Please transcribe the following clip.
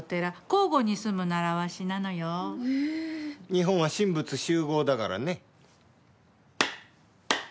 日本は神仏習合だからね。